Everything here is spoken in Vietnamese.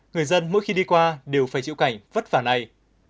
người dân mỗi khi đi qua đều phải chịu cảnh vất vả này